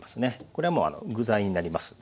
これはもう具材になりますんでね